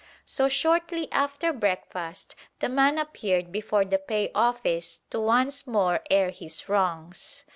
So shortly after breakfast the man appeared before the pay office to once more air his wrongs.